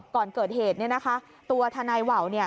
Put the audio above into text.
ก่อนเกิดเหตุตัวธนัยเหว่า